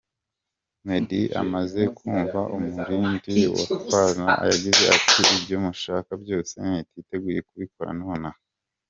meddy amaze kumva umurindi w’abafana yagize ati ‘Ibyo mushaka byose niteguye kubikora nonaha.